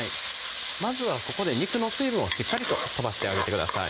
まずはここで肉の水分をしっかりと飛ばしてあげてください